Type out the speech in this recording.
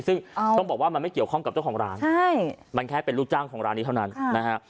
ซึ่งต้องบอกว่ามันไม่เกี่ยวข้องกับเจ้าของร้านมันแค่เป็นลูกจ้างของร้านนี้เท่านั้นนะฮะ